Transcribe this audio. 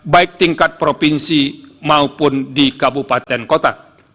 baik tingkat provinsi maupun di kabupaten kota